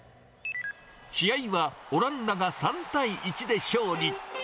試合はオランダが３対１で勝利。